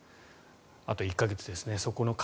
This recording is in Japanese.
あと１か月ですね。